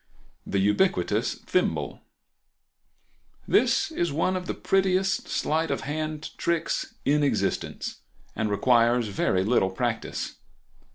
The Ubiquitous Thimble.—This is one of the prettiest sleight of hand tricks in existence, and requires very little practice.